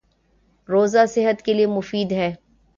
روزہ صحت کے لیے مفید ہے